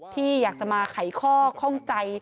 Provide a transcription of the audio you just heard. ที่อยากจะมาไขข้อข้องใจ